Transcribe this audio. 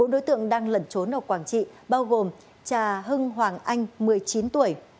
sáu đối tượng đang lẩn trốn ở quảng trị bao gồm trà hưng hoàng anh một mươi chín tuổi